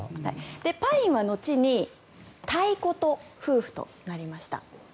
パインは後にたいこと夫婦となりました。